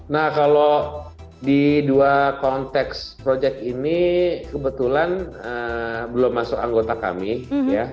nah kalau di dua konteks proyek ini kebetulan belum masuk anggota kami ya